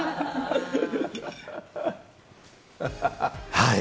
はい。